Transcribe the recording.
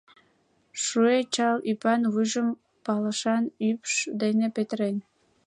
Шуэ чал ӱпан вуйжым пылышан упш дене петырен.